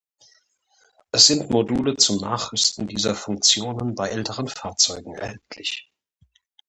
Es sind Module zum Nachrüsten dieser Funktionen bei älteren Fahrzeugen erhältlich.